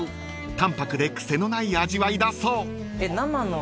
［淡泊で癖のない味わいだそう］